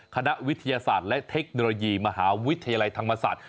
คณะวิทยาศาสตร์และเทคโนโลยีมหาวิทยาลัยธรรมศาสตร์